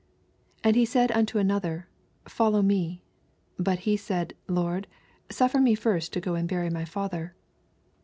69 And he said nnto another, Follow me. But he said Lord, suffer me first to go and bury my father.